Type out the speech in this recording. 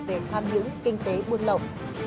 về tham hữu kinh tế buôn lộng